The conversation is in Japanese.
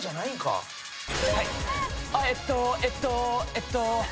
えっとえっとえっと。